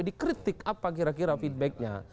dikritik apa kira kira feedbacknya